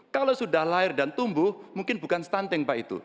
kalau sudah lahir dan tumbuh mungkin bukan stunting pak itu